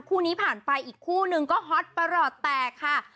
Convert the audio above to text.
คู่นี้ผ่านไปอีกคู่นึงก็ฮอตประหลอดแตกค่ะ